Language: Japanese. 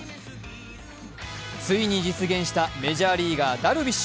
ついに実現したメジャーリーガー・ダルビッシュ